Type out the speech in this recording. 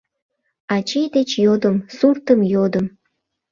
Ачий деч йодым, суртым йодым